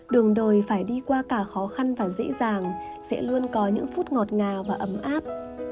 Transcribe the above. đường đời phải đi qua cả khó khăn và dễ dàng sẽ luôn có những phút ngọt ngào và ấm áp